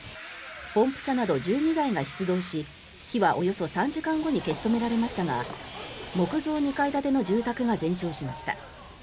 ポンプ車など１２台が出動し火はおよそ３時間後に消し止められましたが木造２階建ての住宅が全焼しました。